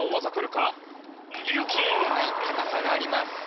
高さがありました。